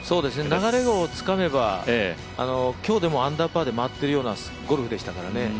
流れをつかめば今日もアンダーパーで回ってるようなゴルフでしたからね。